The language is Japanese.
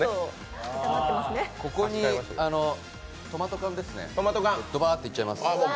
ここにトマト缶をドバッといっちゃいます。